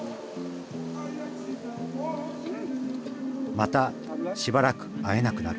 またしばらく会えなくなる。